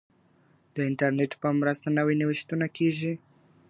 د انټرنیټ په مرسته نوي نوښتونه کیږي.